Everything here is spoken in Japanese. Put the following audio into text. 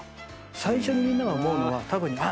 最初にみんなが思うのは。